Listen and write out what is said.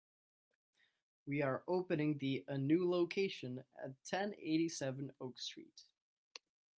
We are opening the a new location at ten eighty-seven Oak Street.